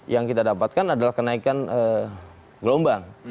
yang kita dapatkan adalah kenaikan gelombang